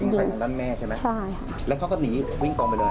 ใส่ทางด้านแม่ใช่ไหมใช่แล้วเขาก็หนีวิ่งตรงไปเลย